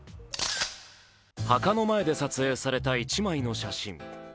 墓の前で撮影された一枚の写真。